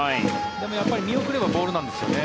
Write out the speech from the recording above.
でもやっぱり見送ればボールなんですよね。